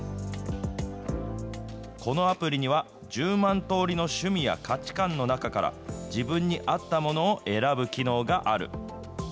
このアプリには、１０万通りの趣味や価値観の中から、自分に合ったものを選ぶ機能がある。